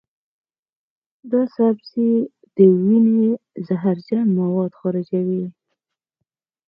دا سبزی د وینې زهرجن مواد خارجوي.